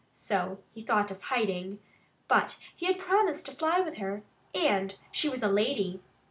So he thought of hiding. But he had promised to fly with her. And she was a lady.